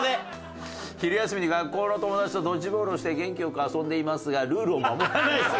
「昼休みに学校の友達とドッジボールをして元気よく遊んでいますがルールを守らない姿を見かけます」